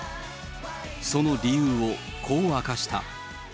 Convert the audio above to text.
その理由をこう明かした。